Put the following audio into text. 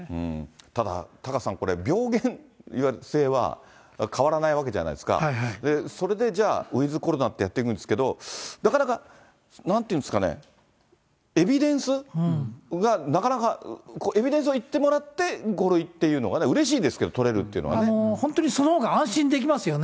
ただ、タカさん、これ、病原性は変わらないわけじゃないですか、それでじゃあ、ウィズコロナってやっていくんですけど、なかなかなんていうんですかね、エビデンスがなかなか、エビデンスを言ってもらって５類というのが、うれしいですけど、本当にそのほうが安心できますよね。